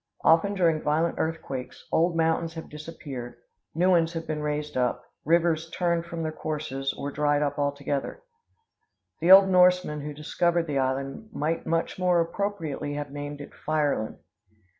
Often during violent earthquakes, old mountains have disappeared; new ones have been raised up; rivers turned from their courses, or dried up altogether. The old Norseman who discovered the island might much more appropriately have named it Fireland.